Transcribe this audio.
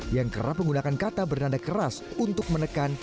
yang kerap menggunakan kata bernada keras untuk menekan